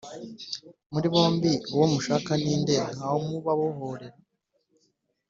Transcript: Muri bombi uwo mushaka ni nde, nkamubabohorera ?